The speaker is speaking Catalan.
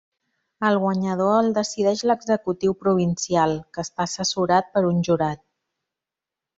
El guanyador el decideix l'Executiu Provincial, que està assessorat per un jurat.